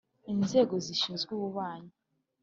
inzego zishinzwe ububanyi